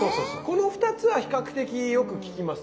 この２つは比較的よく聞きますね。